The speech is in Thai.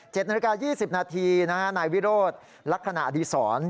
เจ็ดนาฬกา๒๐นาทีนะฮะนายวิโรทลักษณะดีสอน